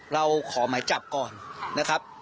เราขอหมายจับก่อนนะครับ